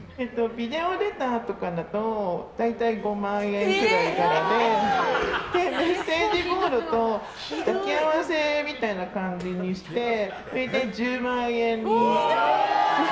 ビデオレターとかだと大体５万円くらいからでメッセージボードと抱き合わせみたいな感じにしてそれで１０万円。